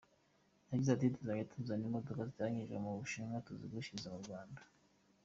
Yagize ati “ Tuzajya tuzana imodoka zateranyirijwe mu Bushinwa tuzigurishirize mu Rwanda.